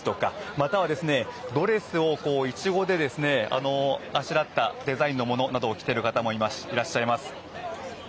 またはドレスをイチゴであしらったデザインのものなどを着ている方もいらっしゃいます。